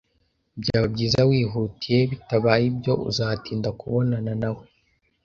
Byaba byiza wihutiye, bitabaye ibyo uzatinda kubonana nawe